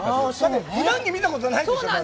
ふだん着、見たことないでしょう。